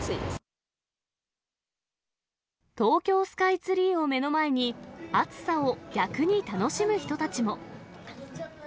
東京スカイツリーを目の前に、暑さを逆に楽しむ人たちも。